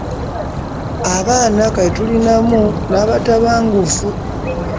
Abaana kati tulinamu n'abatabangufu.